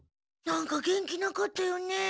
なんか元気なかったよね。